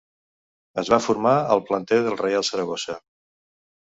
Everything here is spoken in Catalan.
Es va formar al planter del Reial Saragossa.